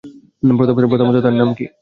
প্রথমত, তার নাম কী?